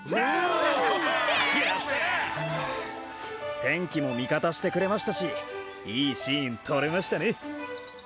てんきもみかたしてくれましたしいいシーンとれましたね！